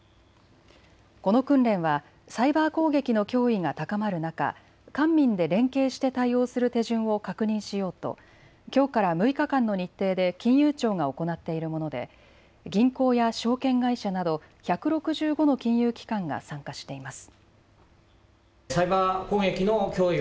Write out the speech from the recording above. この訓練はサイバー攻撃の脅威が高まる中、官民で連携して対応する手順を確認しようときょうから６日間の日程で金融庁が行っているもので銀行や証券会社など１６５の金融機関が参加しています。